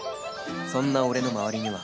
そんな俺の周りには